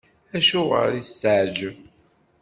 Acuɣer i s-teɛǧeb?